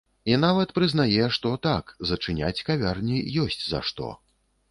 І нават прызнае, што, так, зачыняць кавярні ёсць за што.